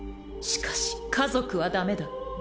しかし家族は駄目だ。